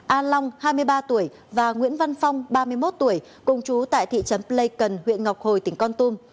a long hai mươi ba tuổi và nguyễn văn phong ba mươi một tuổi cùng chú tại thị trấn pleikon huyện ngọc hồi tỉnh con tum